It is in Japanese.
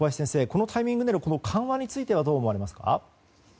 このタイミングでの緩和についてはどう思われますか？